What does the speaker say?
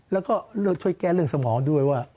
แล้วก็ช่วยแก้เรื่องสมองด้วยว่า